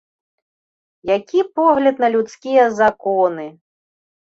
Які погляд на людскія законы!